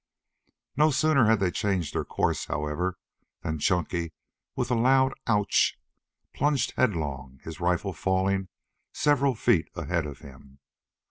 No sooner had they changed their course, however, than Chunky with a loud "Ouch!" plunged headlong, his rifle falling several feet ahead of him.